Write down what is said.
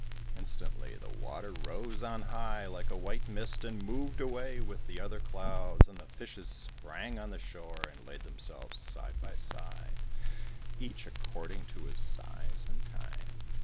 Instantly the water rose on high like a white mist, and moved away with the other clouds, and the fishes sprang on the shore and laid themselves side by side each according to his size and kind.